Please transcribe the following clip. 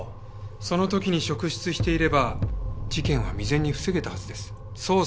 その時に職質していれば事件は未然に防げたはずです。